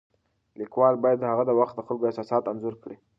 لیکوال باید د هغه وخت د خلکو احساسات انځور کړي.